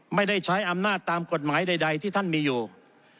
ไม่ได้ใช้อำนาจตามกฎหมายใดที่ท่านมีอยู่